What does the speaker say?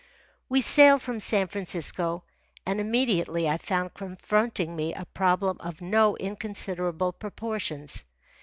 We sailed from San Francisco, and immediately I found confronting me a problem of no inconsiderable proportions.